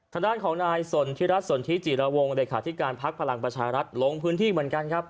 ขณะด้านของนายส่วนที่รัฐส่วนที่จีรวงใดขาดที่การพักพลังประชารัฐลงพื้นที่เหมือนกันครับ